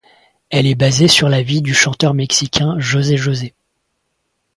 Elle est basée sur la vie du chanteur mexicain José José.